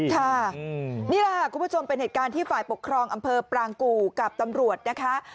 ค่ะนี่แหละค่ะคุณผู้ชมเป็นเหตุการณ์ที่ฝ่ายปกครองอำเภอปรางกู่กับตำรวจนะคะ